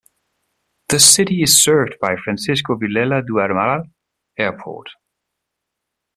The city is served by Francisco Vilela do Amaral Airport.